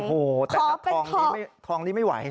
โอ้โหแต่ทองนี้ไม่ไหว